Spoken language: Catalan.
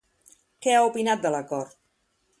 Què ha opinat de l'acord?